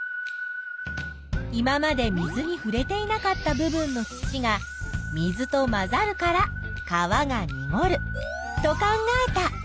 今まで水にふれていなかった部分の土が水と混ざるから川がにごると考えた。